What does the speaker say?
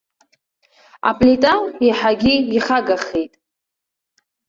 Аплита еиҳагьы ихагахеит.